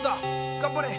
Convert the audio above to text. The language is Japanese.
頑張れ！